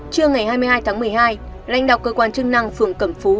trưa ngày hai mươi hai tháng một mươi hai lãnh đạo cơ quan chức năng phường cẩm phú